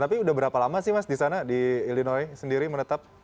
tapi udah berapa lama sih mas di sana di illinois sendiri menetap